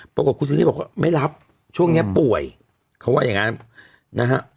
ปรากฏคุณซันนี่บอกว่าไม่รับช่วงนี้ป่วยเขาว่าอย่างงั้นนะฮะ